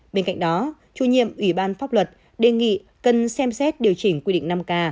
bên cạnh đó chủ nhiệm ủy ban pháp luật đề nghị cần xem xét điều chỉnh quy định năm k